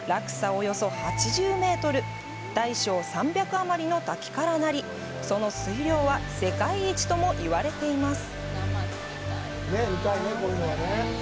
およそ８０メートル大小３００あまりの滝から成りその水量は世界一ともいわれています。